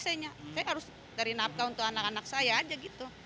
saya harus cari nafkah untuk anak anak saya aja gitu